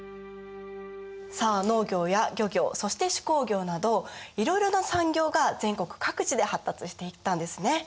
さあ農業や漁業そして手工業などいろいろな産業が全国各地で発達していったんですね。